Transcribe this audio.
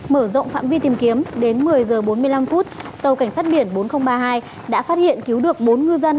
mở rộng phạm vi tìm kiếm đến một mươi giờ bốn mươi năm tàu cảnh sát biển bốn nghìn ba mươi hai đã phát hiện cứu được bốn ngư dân